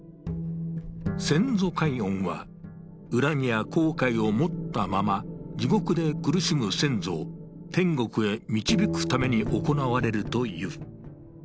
先祖解怨は恨みや後悔を持ったまま地獄で苦しむ先祖を天国へ導くために行われるという。